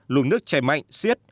lùn nước chảy mạnh xiết